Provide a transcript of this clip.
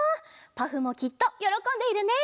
パフもきっとよろこんでいるね。